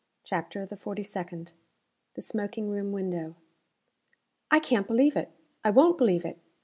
CHAPTER THE FORTY SECOND. THE SMOKING ROOM WINDOW. "I CAN'T believe it! I won't believe it!